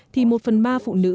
thì một phần ba phụ nữ